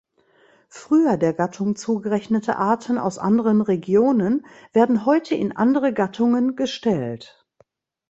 Früher der Gattung zugerechnete Arten aus anderen Regionen werden heute in andere Gattungen gestellt.